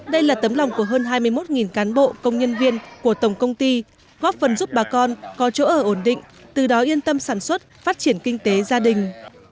đây là tấm lòng của hơn hai mươi một cán bộ công nhân viên của tổng công ty góp phần giúp bà con có chỗ ở ổn định từ đó yên tâm sản xuất phát triển kinh tế gia đình